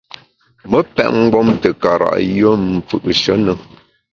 Me pèt mgbom te kara’ yùe m’ fù’she ne.